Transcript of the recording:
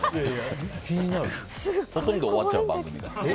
ほとんど終わっちゃうよ